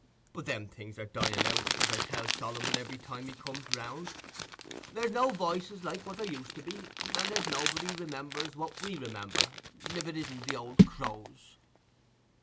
But them things are dying out, as I tell Solomon every time he comes round; there's no voices like what there used to be, and there's nobody remembers what we remember, if it isn't the old crows."